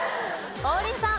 王林さん。